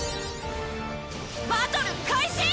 バトル開始！